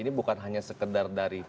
ini bukan hanya sekedar dari